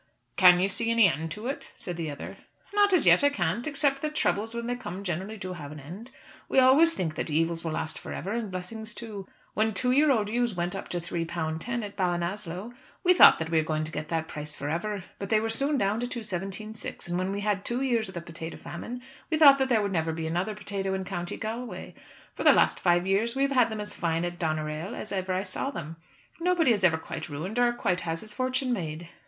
"Can you see any end to it?" said the other. "Not as yet I can't, except that troubles when they come generally do have an end. We always think that evils will last for ever, and blessings too. When two year old ewes went up to three pound ten at Ballinasloe, we thought that we were to get that price for ever, but they were soon down to two seventeen six; and when we had had two years of the potato famine, we thought that there would never be another potato in County Galway. For the last five years we've had them as fine at Doneraile as ever I saw them. Nobody is ever quite ruined, or quite has his fortune made."